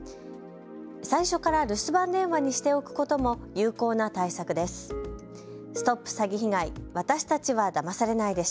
最初から留守番電話にしておくことも有効な対策です。